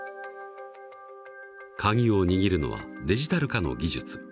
鍵を握るのはデジタル化の技術。